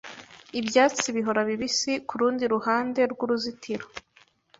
Ibyatsi bihora bibisi kurundi ruhande rwuruzitiro.